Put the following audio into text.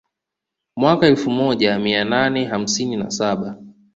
Mwaka wa elfu moja mia nane hamsini na saba